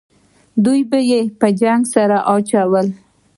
دوه به یې په جنګ سره اچول.